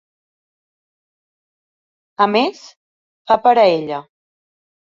A més, fa per a ella.